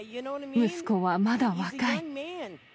息子はまだ若い。